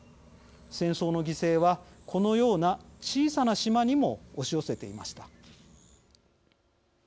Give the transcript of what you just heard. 戦争の犠牲はこのような小さな島にも押し寄せていました。